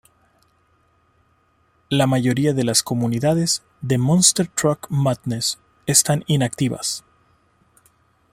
La mayoría de las comunidades de "Monster Truck Madness" están inactivas.